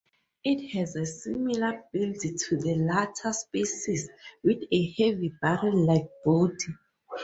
It has a similar build to the latter species, with a heavy barrel-like body.